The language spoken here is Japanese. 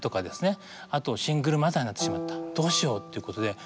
あとシングルマザーになってしまったどうしようってことで。